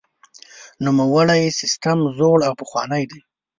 نوموړی سیستم زوړ او پخوانی دی.